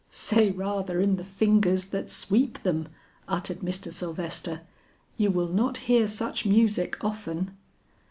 "Say rather in the fingers that sweep them," uttered Mr. Sylvester. "You will not hear such music often."